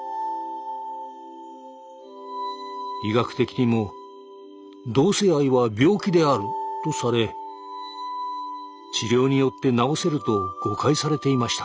医学的にも「同性愛は病気である」とされ治療によって治せると誤解されていました。